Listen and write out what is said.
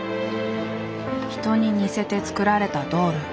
人に似せて作られたドール。